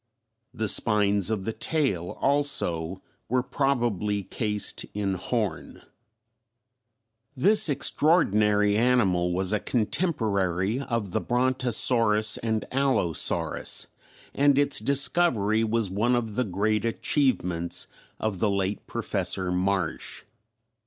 The spines of the tail, also, were probably cased in horn. This extraordinary animal was a contemporary of the Brontosaurus and Allosaurus, and its discovery was one of the great achievements of the late Professor Marsh.